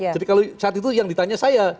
jadi kalau saat itu yang ditanya saya